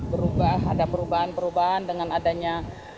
berubah ada perubahan perubahan dengan adanya